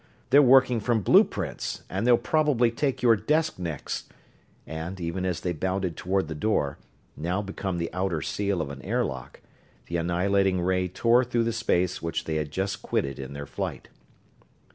They're working from blue prints, and they'll probably take your desk next," and even as they bounded toward the door, now become the outer seal of an airlock, the annihilating ray tore through the space which they had just quitted in their flight.